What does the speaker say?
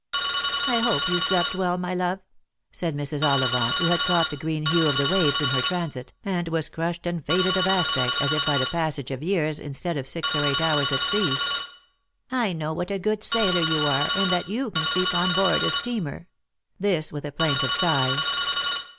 " I hope you slept well, my love," said Mrs. Ollivant, who had caught the green hue of the waves in her transit;, and was crushed and faded of aspect as if by the passage of years, in stead of six or eight hours at sea. " I know what a good sailor you are._ and that you can sleep on board a steamer ;" this with a plaintive sigh.